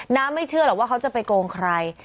ไม่เชื่อหรอกว่าเขาจะไปโกงใคร